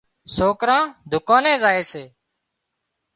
سوڪران دُڪاني زائي سي